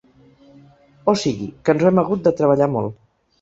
O sigui, que ens ho hem hagut de treballar molt.